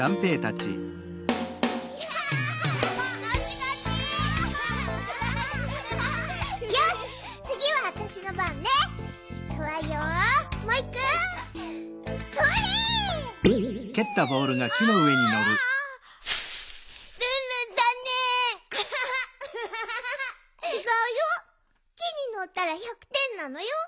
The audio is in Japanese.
ちがうよきにのったら１００てんなのよ。